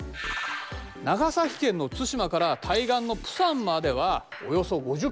長崎県の対馬から対岸のプサンまではおよそ５０ｋｍ。